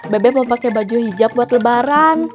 beb beb mau pake baju hijab buat lebaran